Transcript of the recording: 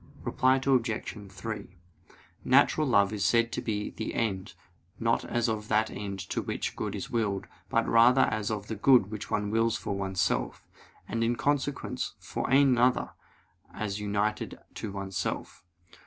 Reply Obj. 3: Natural love is said to be of the end, not as of that end to which good is willed, but rather as of that good which one wills for oneself, and in consequence for another, as united to oneself.